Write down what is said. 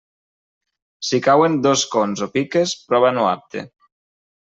Si cauen dos cons o piques, prova no apte.